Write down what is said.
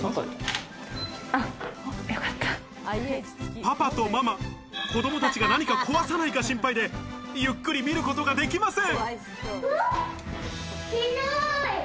パパとママ、子供たちが何か壊さないか心配で、ゆっくり見ることができません。